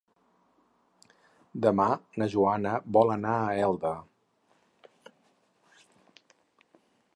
Demà na Joana vol anar a Elda.